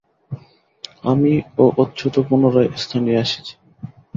আমি ও অচ্যুত পুনরায় এ স্থানে আসিয়াছি।